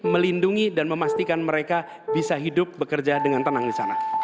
melindungi dan memastikan mereka bisa hidup bekerja dengan tenang di sana